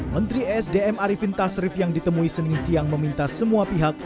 menteri esdm arifin tasrif yang ditemui senin siang meminta semua pihak